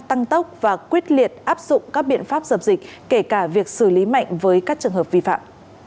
tăng tốc và quyết liệt áp dụng các biện pháp dập dịch kể cả việc xử lý mạnh với các trường hợp vi phạm